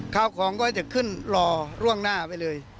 ข้าวของก็จะขึ้นรอล่วงหน้าไปเลย